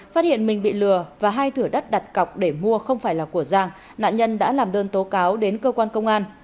phát hiện mình bị lừa và hai thửa đất đặt cọc để mua không phải là của giang nạn nhân đã làm đơn tố cáo đến cơ quan công an